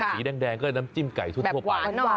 สีแดงก็น้ำจิ้มไก่ทั่วไป